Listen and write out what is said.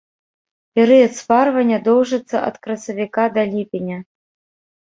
Перыяд спарвання доўжыцца ад красавіка да ліпеня.